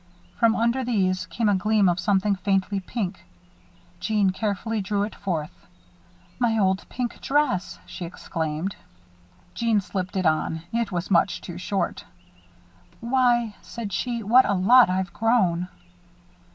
From under these came a gleam of something faintly pink. Jeanne carefully drew it forth. "My old pink dress!" she exclaimed. Jeanne slipped it on. It was much too short. "Why," said she, "what a lot I've grown!"